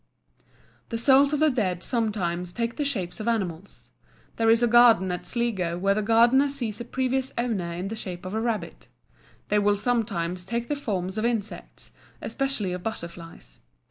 The souls of the dead sometimes take the shapes of animals. There is a garden at Sligo where the gardener sees a previous owner in the shape of a rabbit. They will sometimes take the forms of insects, especially of butterflies.